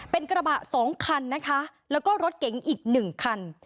เป็นกระบะ๒คันนะคะแล้วก็รถเก๋งอีก๑คัน